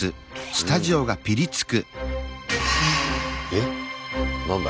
えっ何だ